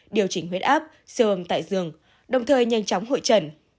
điều chỉnh huyết áp siêu âm tại giường đồng thời nhanh chóng hội trần